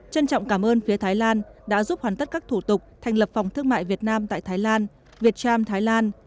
trân trọng cảm ơn phía thái lan đã giúp hoàn tất các thủ tục thành lập phòng thương mại việt nam tại thái lan việt tram thái lan